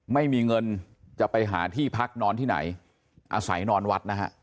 ไม่มีเงินจะไปหาที่พักนอนที่ไหนอาศัยนอนวัดนะฮะ